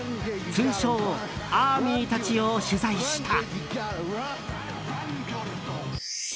通称ＡＲＭＹたちを取材した。